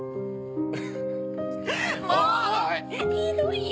もうひどいよ。